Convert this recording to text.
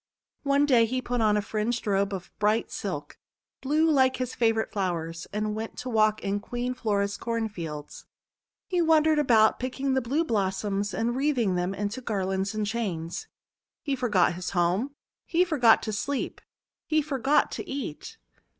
One day he put on a fringed robe of bright silk, blue like his favourite flowers, and went to walk in Queen Flora's Cornfields. He wan dered about, picking the blue blossoms, and wreathing them into garlands and chains. He forgot his home, he forgot to sleep, he forgot to eat.